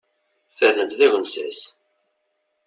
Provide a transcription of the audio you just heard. Fernen-t d agensas.